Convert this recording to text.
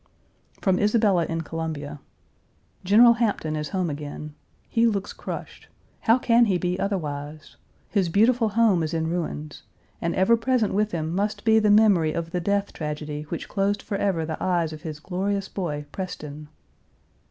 From Isabella in Columbia: "General Hampton is home again. He looks crushed. How can he be otherwise? His beautiful home is in ruins, and ever present with him must be the memory of the death tragedy which closed forever the eyes of his glorious boy, Preston!